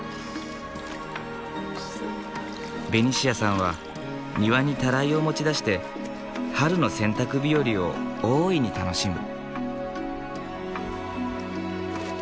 ベニシアさんは庭にたらいを持ち出して春の洗濯日和を大いに楽しむ。